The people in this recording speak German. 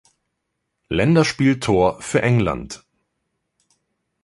Länderspieltor für England.